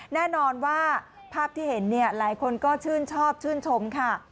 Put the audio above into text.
แน่นอนว่าภาพที่เห็นเนี่ยหลายคนก็ชื่นชอบชื่นชมค่ะ